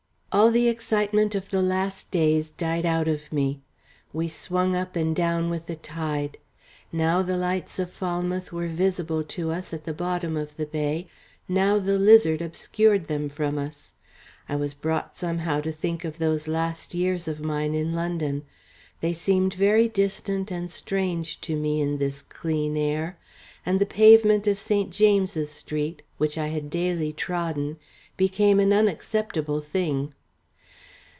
All the excitement of the last days died out of me. We swung up and down with the tide. Now the lights of Falmouth were visible to us at the bottom of the bay, now the Lizard obscured them from us. I was brought somehow to think of those last years of mine in London. They seemed very distant and strange to me in this clean air, and the pavement of St. James's Street, which I had daily trodden, became an unacceptable thing.